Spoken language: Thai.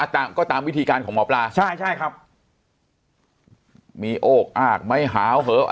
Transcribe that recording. ตามก็ตามวิธีการของหมอปลาใช่ใช่ครับมีโอกอ้ากไม่หาวเหอะ